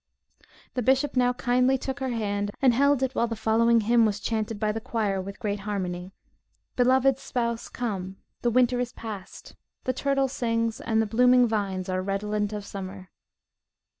The bishop now kindly took her hand, and held it while the following hymn was chanted by the choir with great harmony: "Beloved Spouse, come the winter is passed the turtle sings, and the blooming vines are redolent of summer."